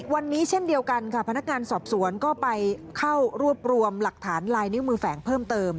วันนี้เช่นเดียวกันค่ะพนักงานสอบสวนก็ไปเข้ารวบรวมหลักฐานลายนิ้วมือแฝงเพิ่มเติม